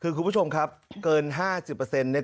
คือคุณผู้ชมครับเกิน๕๐เปอร์เซ็นต์เนี่ย